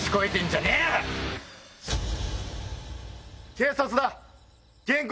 警察だ！